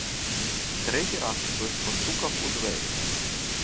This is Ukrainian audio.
Третій раз хтось постукав у двері.